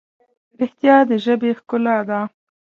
رښتیا د ژبې ښکلا ده.